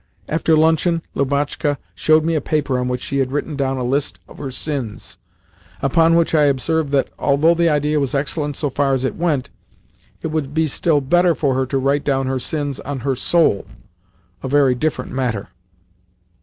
After luncheon, Lubotshka showed me a paper on which she had written down a list of her sins: upon which I observed that, although the idea was excellent so far as it went, it would be still better for her to write down her sins on her SOUL "a very different matter."